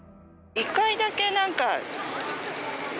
１回だけなんか何？